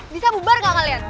bisa bubar gak kalian